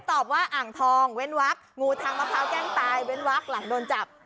ตอบว่าอ่างทองเว้นวักงูทางมะพร้าวแกล้งตายเว้นวักหลังโดนจับ